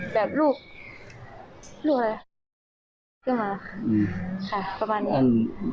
แบบรูปรูปอะไรประมาณนี้